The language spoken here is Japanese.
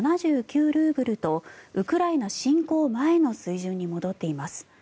ルーブルとウクライナ侵攻前の水準に戻っています。